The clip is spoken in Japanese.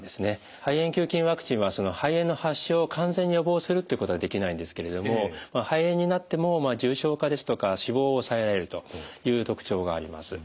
肺炎球菌ワクチンは肺炎の発症を完全に予防するっていうことはできないんですけれども肺炎になっても重症化ですとか死亡を抑えられるという特徴があります。